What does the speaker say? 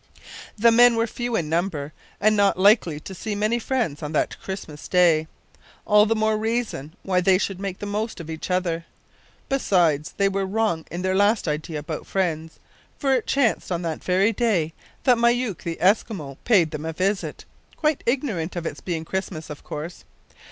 The men were few in number and not likely to see many friends on that Christmas day. All the more reason why they should make the most of each other! Besides, they were wrong in their last idea about friends, for it chanced, on that very day, that Myouk the Eskimo paid them a visit quite ignorant of its being Christmas, of course.